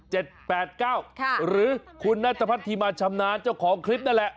หรือคุณนัทพัฒนธิมาชำนาญเจ้าของคลิปนั่นแหละ